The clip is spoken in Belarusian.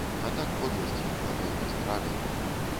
А так подласці, напэўна, здрады.